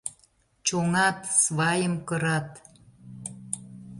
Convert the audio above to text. Чоҥат, свайым кырат.